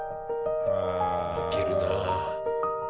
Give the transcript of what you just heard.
泣けるなあ。